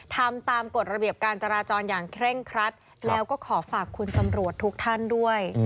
ทำตามกฎระเบียบการจราจรอย่างเคร่งครัดแล้วก็ขอฝากคุณตำรวจทุกท่านด้วย